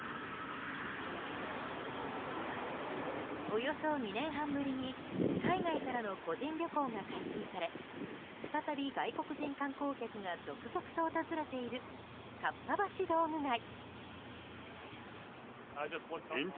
およそ２年半ぶりに海外からの個人旅行が解禁され再び、外国人観光客が続々と訪れているかっぱ橋道具街。